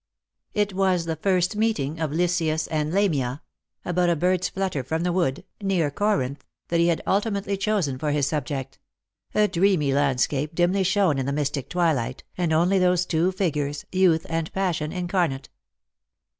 It was the first meeting of Lycius and Lamia, " about a Lost for Love. 73 bird's flutter from the wood " near Corinth, that he had ulti mately chosen for his subject — a dreamy landscape dimly shone in the mystic twilight, and only those two figures, youth and passion incarnate.